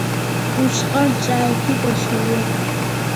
Усҟан ҿааиҭит Ашаҩы.